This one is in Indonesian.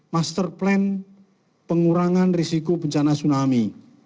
master plan pengurangan risiko bencana tsunami